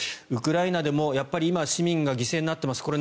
ウクライナでも今、市民が犠牲になっています。